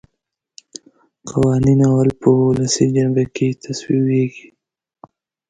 قوانین اول په ولسي جرګه کې تصویبیږي.